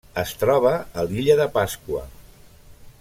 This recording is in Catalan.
Es troba a l'Illa de Pasqua.